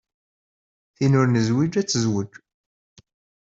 Tin ur nezwij ad tezwej.